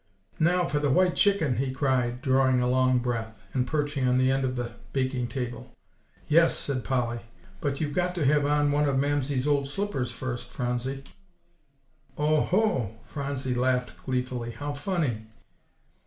"Now for the white chicken!" he cried, drawing a long breath, and perching on the end of the baking table. "Yes," said Polly; "but you've got to have on one of Mamsie's old slippers first, Phronsie." "Oh, ho," Phronsie laughed gleefully, "how funny!"